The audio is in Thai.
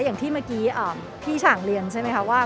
อย่างที่เมื่อกี้พี่ฉ่างเรียนใช่ไหมคะว่า